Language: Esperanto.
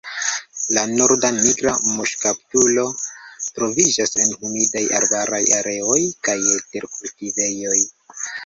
La Norda nigra muŝkaptulo troviĝas en humidaj arbaraj areoj kaj terkultivejoj.